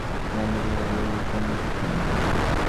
আমার বান্ধবী হ্যাজেলের জন্য একটা কয়েন লাগবে।